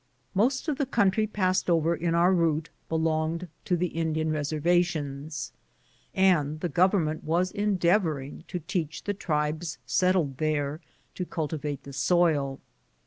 Most of the country passed over in our route belonged to the Indian Keservations, and the Government was endeavoring to teach tlie tribes settled there to culti vate the soil.